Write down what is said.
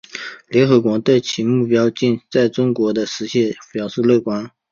联合国对其他目标在中国的实现表示乐观。